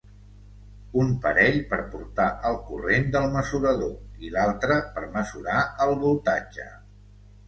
Un parell per portar el corrent del mesurador i l'altre per mesurar el voltatge.